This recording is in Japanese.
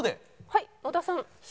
はい野田さん。